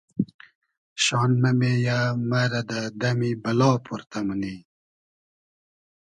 شان مۂ مېیۂ مرۂ دۂ دئمی بئلا پۉرتۂ مونی